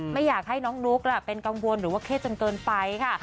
ไม่อยากให้น้องนุ๊กเป็นกังวลหรือว่าเครียดจนเกินไปค่ะ